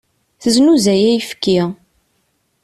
Teznuzay ayefki.